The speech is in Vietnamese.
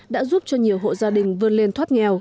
đã giúp cho nhiều hộ gia đình vươn lên thoát nghèo